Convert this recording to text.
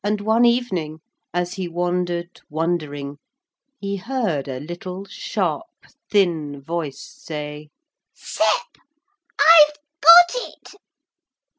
And one evening as he wandered wondering he heard a little, sharp, thin voice say: 'Sep. I've got it.'